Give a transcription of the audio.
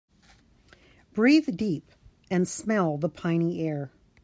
Breathe deep and smell the piny air.